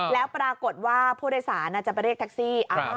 แล้วปรากฏว่าผู้โดยสารจะไปเรียกแท็กซี่